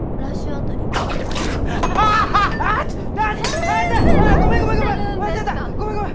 あっごめんごめんごめん！